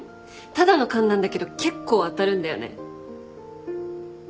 ただの勘なんだけど結構当たるんだよね。